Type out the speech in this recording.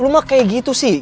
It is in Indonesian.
lu mah kayak gitu sih